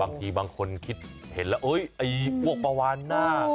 บางทีบางคนคิดเห็นแล้วไอ้พวกปลาวานหน้า